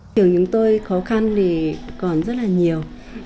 trường chúng tôi khó khăn thì còn rất là nhiều